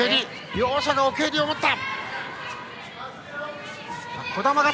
両者、奥襟を持った。